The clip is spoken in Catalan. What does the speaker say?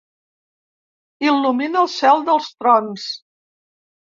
Il·lumina el cel dels trons.